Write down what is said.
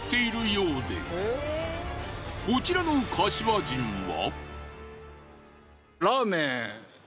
こちらの柏人は。